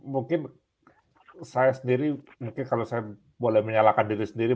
mungkin saya sendiri mungkin kalau saya boleh menyalakan diri sendiri